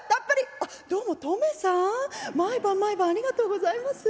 「あっどうもトメさん毎晩毎晩ありがとうございます」。